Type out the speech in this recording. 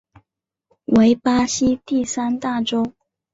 为巴西第三大州。